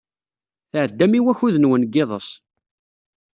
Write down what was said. Tɛeddam i wakud-nwen n yiḍes.